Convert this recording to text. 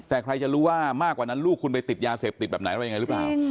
แต่ใครจะรู้ว่ามากกว่านั้นลูกคุณไปติดยาเสพติดแบบไหนอะไรยังไงหรือเปล่า